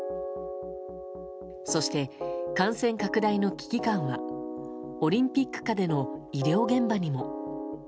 そして感染拡大の危機感はオリンピック下での医療現場にも。